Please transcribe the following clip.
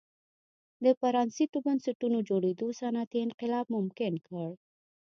د پرانیستو بنسټونو جوړېدو صنعتي انقلاب ممکن کړ.